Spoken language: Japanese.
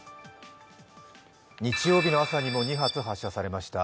日曜日の朝にも２発発射されました。